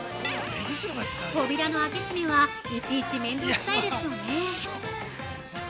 ◆扉の開け閉めはいちいち面倒くさいですよね！